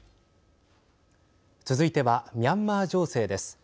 続いてはミャンマー情勢です。